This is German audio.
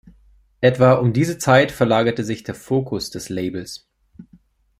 Etwa um diese Zeit verlagerte sich der Fokus des Labels.